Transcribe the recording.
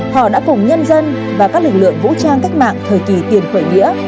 họ đã cùng nhân dân và các lực lượng vũ trang cách mạng thời kỳ tiền khởi nghĩa